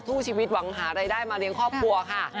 สู้ชีวิตหวังหารายได้มาเลี้ยงครอบครัวค่ะ